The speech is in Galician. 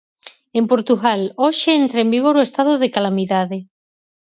En Portugal, hoxe entra en vigor o estado de calamidade.